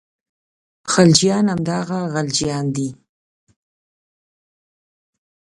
خلجیان همدغه غلجیان دي.